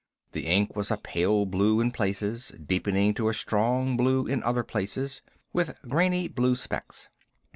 The ink was a pale blue in places, deepening to a strong blue in other places, with grainy blue specks.